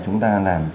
chúng ta làm